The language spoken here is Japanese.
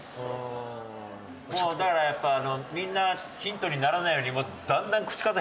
もうだからやっぱみんなヒントにならないようにだんだん口数減ってきてる。